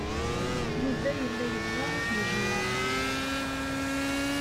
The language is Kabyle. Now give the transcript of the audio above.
Yuba yella yebɣa ad t-yejmeɛ.